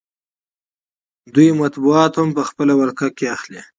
دوی مطبوعات هم په خپله ولکه کې اخلي